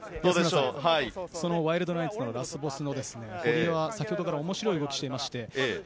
ワイルドナイツ、ラスボス・堀江は先ほどから面白い動きをしています。